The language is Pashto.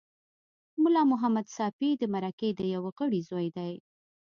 ملا محمد ساپي د مرکې د یوه غړي زوی دی.